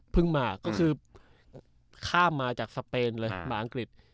มาก็คือข้ามมาจากสเปนเลยมาอังกฤษ